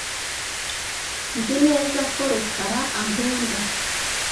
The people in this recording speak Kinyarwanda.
Nzi neza ko Rukara ankunda.